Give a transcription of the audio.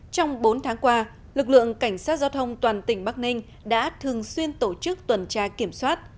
trong bốn tháng qua lực lượng cảnh sát giao thông toàn tỉnh bắc ninh đã thường xuyên tổ chức tuần tra kiểm soát